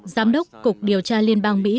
giám đốc cục điều tra liên bang mỹ